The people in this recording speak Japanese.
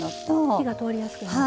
火が通りやすくなる。